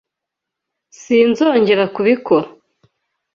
Sinzongera kubikora.